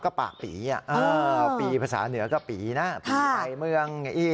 ก็ปากปีปีภาษาเหนือก็ปีนะปีใหม่เมืองอี้